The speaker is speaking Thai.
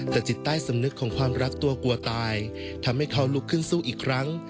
แต่จิตใต้สำนึกของความรักตัวกลัวตายทำให้เขาลุกขึ้นสู้อีกครั้ง